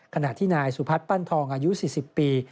ขณะที่นายสุพัฒน์ปั้นทองอายุ๔๐ปี